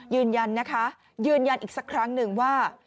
ยืนยันนะคะยืนยันอีกสักครั้งหนึ่งว่า